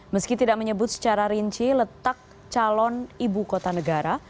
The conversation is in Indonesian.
meski tidak menyebut secara rinci letak calon ibu kota negara